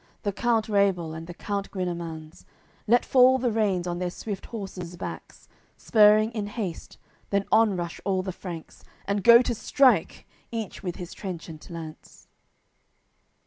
The count Rabel and the count Guinemans Let fall the reins on their swift horses' backs, Spurring in haste; then on rush all the Franks, And go to strike, each with his trenchant lance.